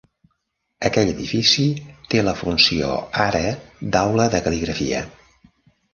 Aquell edifici té la funció ara d'aula de cal·ligrafia.